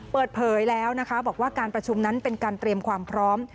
เปิดเผยแล้วนะคะบอกว่าการประชุมนั้นเป็นการเตรียมความพร้อม